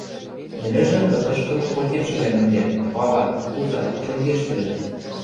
Нӹнӹжӹ тытышдымы потемшӹлӓ мӱнгӓт, валат, кузат, чонгештӹлӹт...